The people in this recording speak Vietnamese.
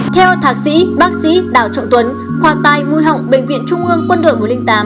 theo thạc sĩ bác sĩ đạo trọng tuấn khoa tài mui họng bệnh viện trung ương quân đội một trăm linh tám